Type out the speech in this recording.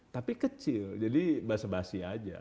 tapi kecil jadi basa basi aja